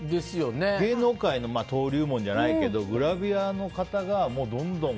芸能界の登竜門じゃないけどグラビアの方がどんどんと。